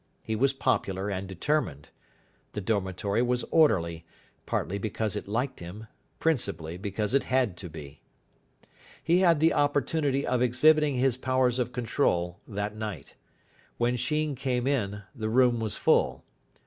He was popular and determined. The dormitory was orderly, partly because it liked him, principally because it had to be. He had an opportunity of exhibiting his powers of control that night. When Sheen came in, the room was full.